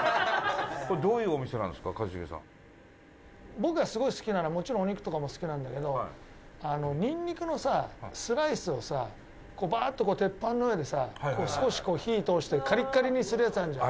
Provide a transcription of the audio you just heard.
僕がすごい好きなのは、もちろんお肉とかも好きなんだけどニンニクのさ、スライスをさバーッと鉄板の上でさしこしこ火通してカリカリにするやつあるじゃん。